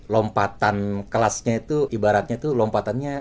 lompatan kelasnya itu ibaratnya itu lompatannya